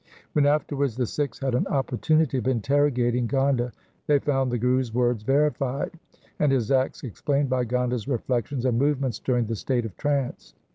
When afterwards the Sikhs had an opportunity of interrogating Gonda they found the Guru's words verified and his acts explained by Gonda' s reflections and movements during the state of trance.